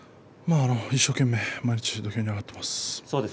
一生懸命、毎日土俵に上がっています。